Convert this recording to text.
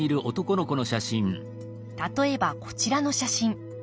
例えばこちらの写真。